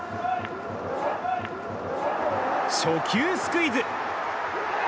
初球スクイズ！